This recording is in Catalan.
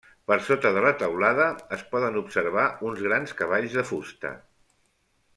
Per sota de la teulada es poden observar uns grans cavalls de fusta.